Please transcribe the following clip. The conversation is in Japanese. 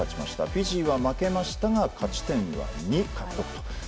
フィジーは負けましたが勝ち点は２獲得と。